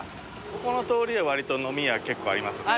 ここの通りはわりと飲み屋結構ありますね。